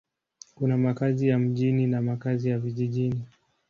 Kuna makazi ya mjini na makazi ya vijijini.